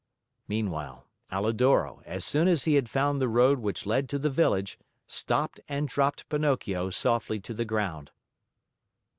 Meanwhile, Alidoro, as soon as he had found the road which led to the village, stopped and dropped Pinocchio softly to the ground.